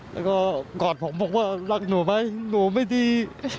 แล้วก็กอดผมบอกว่ารักหนูไหมหนูไม่ดี